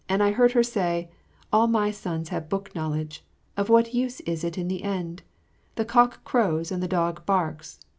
I heard her say: "All my sons have book knowledge. Of what use is it in the end? The cock crows and the dog barks.